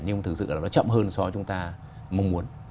nhưng thực sự là nó chậm hơn so với chúng ta mong muốn